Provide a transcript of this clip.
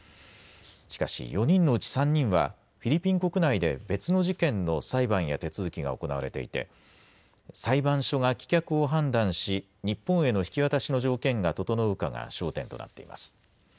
しかし、４人のうち３人は、フィリピン国内で別の事件の裁判や手続きが行われていて、裁判所が棄却を判断し、日本への引き渡しの条件が整うかが焦点となっています。